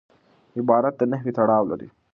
عبارت نحوي تړاو لري.